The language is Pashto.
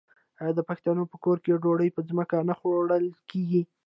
آیا د پښتنو په کور کې ډوډۍ په ځمکه نه خوړل کیږي؟